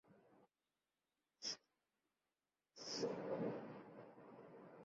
কিন্তু সেই আশায় পানি ঢেলে দিয়ে আবারও ব্যাটিং বিপর্যয়ের শিকার হলো বাংলাদেশ।